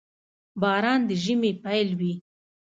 • باران د ژمي پيل وي.